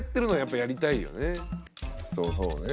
そうそうね。